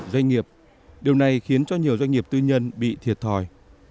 điều này khiến cho nhiều doanh nghiệp tư nhân bị thiệt thòi